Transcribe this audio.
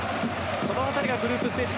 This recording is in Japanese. その辺りがグループステージ